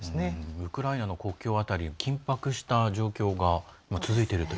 ウクライナの国境辺り緊迫した状況が続いていると。